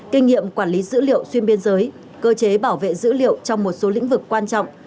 kinh nghiệm quản lý dữ liệu xuyên biên giới cơ chế bảo vệ dữ liệu trong một số lĩnh vực quan trọng